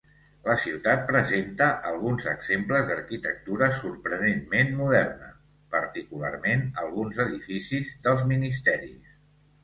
La ciutat presenta alguns exemples d'arquitectura sorprenentment moderna, particularment alguns edificis dels ministeris.